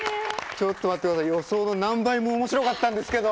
ちょっと待ってください予想の何倍も面白かったんですけど！